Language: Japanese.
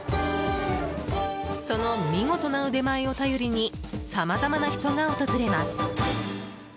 その見事な腕前を頼りにさまざまな人が訪れます。